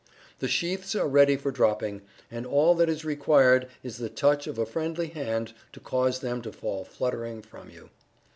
The sheaths are ready for dropping, and all that is required is the touch of a friendly hand to cause them to fall fluttering from you.